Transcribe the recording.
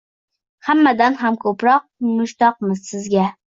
Hammadan ham ko’proq mushtoqmiz sizga